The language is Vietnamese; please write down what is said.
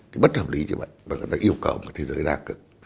cái bất hợp lý như vậy và người ta yêu cầu một thế giới đa cực